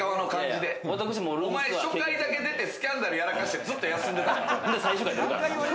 初回だけ出て、スキャンダルやらかして、ずっと休んでたやろ。